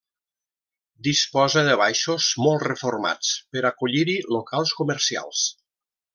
Disposa de baixos, molt reformats per acollir-hi locals comercials.